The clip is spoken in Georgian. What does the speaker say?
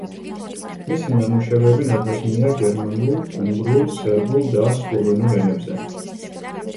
მისი ნამუშევრები ნათარგმნია გერმანულ, უნგრულ, სერბულ და სლოვენურ ენებზე.